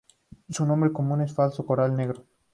Su nombre común es falso coral negro.